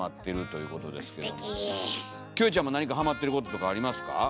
キョエちゃんも何かはまってることとかありますか？